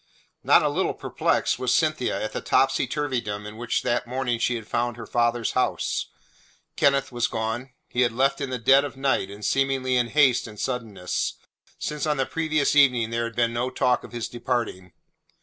Not a little perplexed was Cynthia at the topsy turvydom in which that morning she had found her father's house. Kenneth was gone; he had left in the dead of night, and seemingly in haste and suddenness, since on the previous evening there had been no talk of his departing.